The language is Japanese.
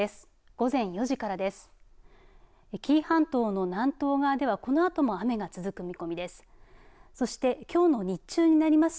午前４時からです。